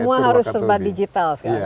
semua harus serba digital sekarang